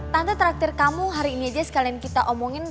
tante terakhir kamu hari ini aja sekalian kita omongin